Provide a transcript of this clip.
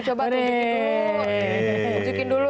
coba tunjukin dulu